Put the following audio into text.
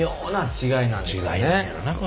違いなんやろなこれ。